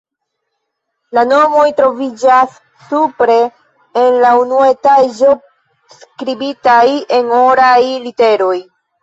La nomoj troviĝas supre en la unua etaĝo, skribitaj en oraj literoj.